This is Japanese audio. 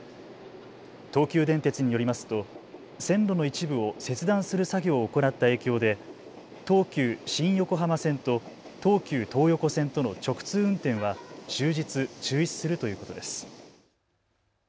東急電鉄によりますと線路の一部を切断する作業を行った影響で東急新横浜線と東急東横線との直通運転は終日、中止するということです。